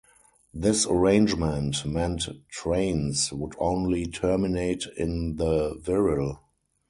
This arrangement meant trains would only terminate in the Wirral.